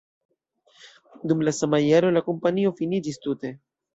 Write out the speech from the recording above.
Dum la sama jaro la kompanio finiĝis tute.